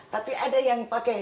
tapi ada yang pakai